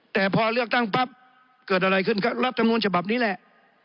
แต่พอเลือกตั้งปั๊บเกิดอะไรขึ้นก็รัฐมนูลฉบับนี้แหละ